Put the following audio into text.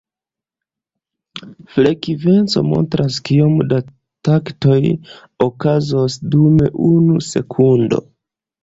Frekvenco montras kiom da taktoj okazos dum unu sekundo.